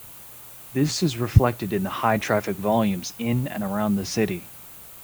This is reflected in the high traffic volumes in and around the city.